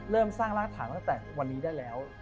เริ่มสร้างรากฐานตั้งแต่วันนี้ได้แล้ว